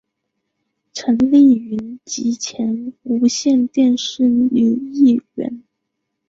陈丽云及前无线电视女艺员。